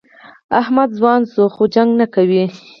احمد ځوان شو؛ خو لانجه نه کوي.